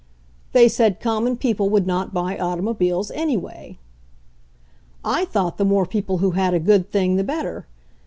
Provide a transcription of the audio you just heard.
They said common people would not buy automobiles anyway. "I thought the more people who had a good thing the better.